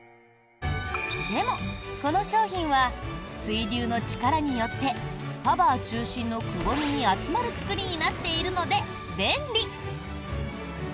でも、この商品は水流の力によってカバー中心のくぼみに集まる作りになっているので便利。